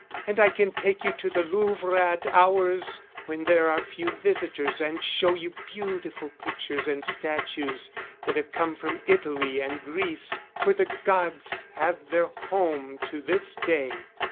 And I can take you to the Louvre at hours when there are few visitors, and show you beautiful pictures and statues that have come from Italy and Greece, where the gods have their home to this day.